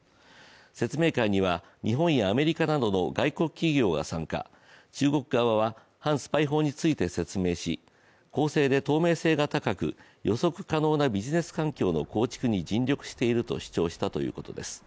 説明会には日本やアメリカなどの外国企業が参加、中国側は反スパイ法について説明し公正で透明性が高く予測可能なビジネス環境の構築に尽力していると主張したということです。